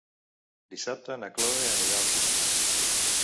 Dissabte na Cloè anirà al cinema.